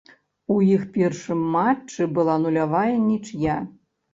У іх першым матчы была нулявая нічыя.